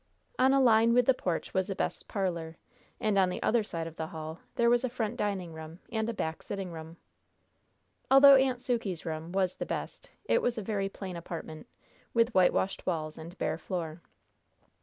On a line with the porch was the best parlor, and on the other side of the hall there was a front dining room and a back sitting room. Although "Aunt Sukey's room" was the best, it was a very plain apartment, with whitewashed walls and bare floor.